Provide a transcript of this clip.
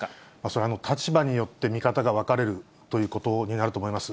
それは立場によって、見方が分かれるということになると思います。